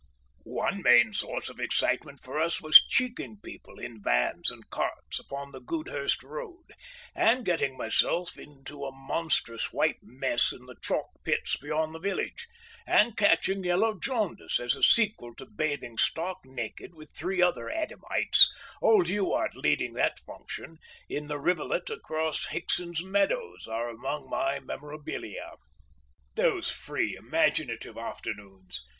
One main source of excitement for us was "cheeking" people in vans and carts upon the Goudhurst road; and getting myself into a monstrous white mess in the chalk pits beyond the village, and catching yellow jaundice as a sequel to bathing stark naked with three other Adamites, old Ewart leading that function, in the rivulet across Hickson's meadows, are among my memorabilia. Those free imaginative afternoons!